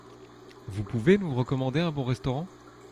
Vous pouvez nous recommander un bon restaurant ?